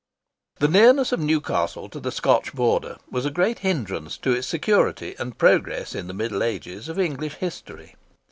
The nearness of Newcastle to the Scotch Border was a great hindrance to its security and progress in the middle ages of English history.